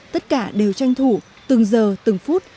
tất cả đều tranh thủ từng giờ từng phút